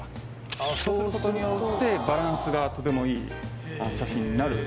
そうすることによってバランスがとてもいい写真になる。